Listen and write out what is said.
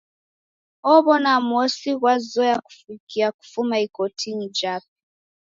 Ow'ona mosi ghwazoya kufukia kufuma ikotinyi jape.